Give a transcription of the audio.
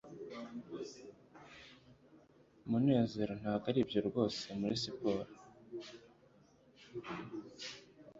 munezero ntabwo aribyo rwose muri siporo